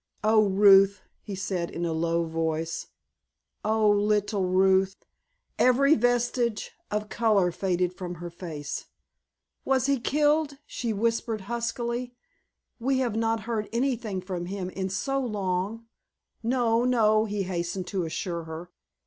"Oh, Ruth," he said in a low voice, "oh, little Ruth!" Every vestige of color faded from her face. "Was he killed?" she whispered huskily. "We have not heard anything from him in so long——" "No, no," he hastened to assure her.